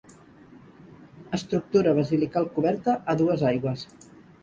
Estructura basilical coberta a dues aigües.